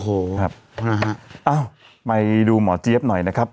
โอ้โหมาดูหมอเจี๊ยบหน่อยนะครับ